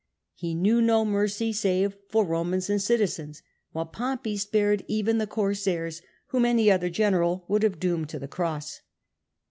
He knew no mercy save for Eomans and citizens, while Pompey spared even the corsairs, whom any other general would have doomed to the cross.